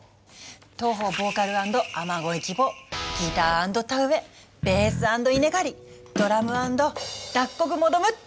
当方ボーカル＆雨乞い希望ギター＆田植えベース＆稲刈りドラム＆脱穀求むって。